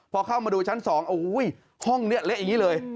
พอเข้ามาดูชั้น๒โอ้โหห้องนี้เละอย่างนี้เลย